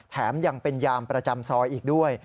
แถมยังเป็นยามประจำซอยอีกด้วย